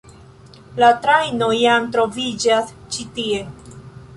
La trajno jam troviĝas ĉi tie.